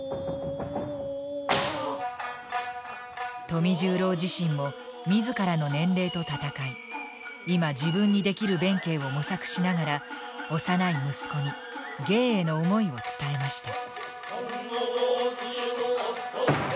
富十郎自身も自らの年齢と闘い今自分にできる弁慶を模索しながら幼い息子に芸への想いを伝えました。